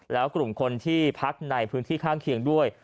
แล้วกลุ่มคนที่พักในพื้นที่ข้างเคียงด้วย